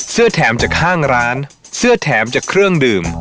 แถมจากข้างร้านเสื้อแถมจากเครื่องดื่ม